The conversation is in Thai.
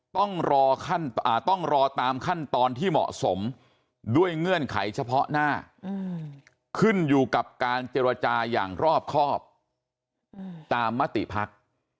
ต้องรอต้องรอตามขั้นตอนที่เหมาะสมด้วยเงื่อนไขเฉพาะหน้าขึ้นอยู่กับการเจรจาอย่างรอบครอบตามมติภักดิ์